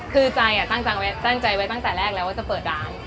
คือใจตั้งใจไว้ตั้งแต่แรกแล้วว่าจะเปิดร้าน